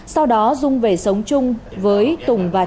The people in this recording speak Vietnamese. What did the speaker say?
sau đó dung về sống chung với tùng và